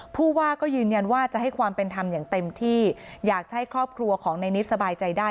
ผู้ว่าก็ยืนยันว่าจะให้ความเป็นธรรมอย่างเต็มที่อยากจะให้ครอบครัวของในนิดสบายใจได้